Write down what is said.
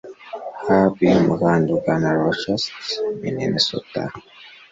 hafi yumuhanda ugana rochester, minnesota